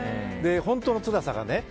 本当のつらさがね。